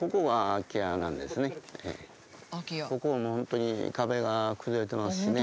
ここはもう本当に壁が崩れてますしね。